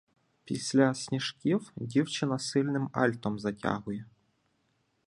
Після "Сніжків" дівчина сильним альтом затягує: